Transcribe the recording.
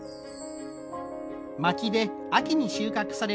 巻で秋に収穫される